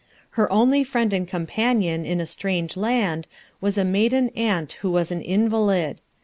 Her only friend and companion in a strange land was a maiden aunt who was an invalid.